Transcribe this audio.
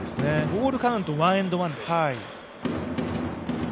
ボールカウント、ワン・エンド・ワンです。